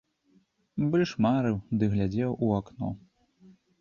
Больш марыў ды глядзеў у акно.